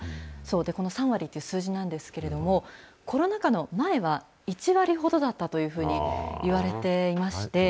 この３割という数字なんですけれども、コロナ禍の前は１割ほどだったというふうにいわれていまして。